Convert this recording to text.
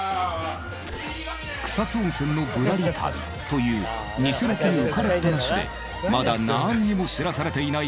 草津温泉のぶらり旅という偽ロケに浮かれっぱなしでまだなんにも知らされていない